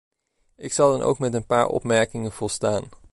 Ik zal dan ook met een paar opmerkingen volstaan.